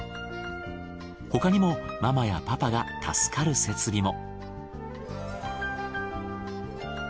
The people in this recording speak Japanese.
他にもママやパパが助かる設備も。